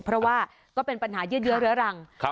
เพราะว่าก็เป็นปัญหาเยอะเยอะเรื่องรังครับ